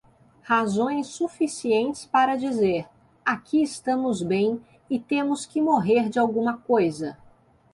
Razões suficientes para dizer: aqui estamos bem e temos que morrer de alguma coisa.